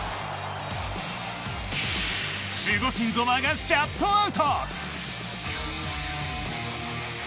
守護神ゾマーがシャットアウト。